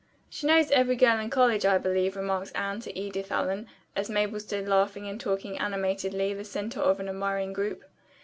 "She knows every girl in college, I believe," remarked Anne to Edith Allen, as Mabel stood laughing and talking animatedly, the center of an admiring group.